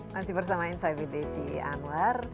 masih bersama insight pt sianwar